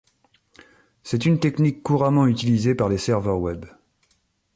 C'est une technique couramment utilisée par les serveurs web.